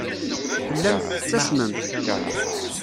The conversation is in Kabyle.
Tellamt tettasmemt.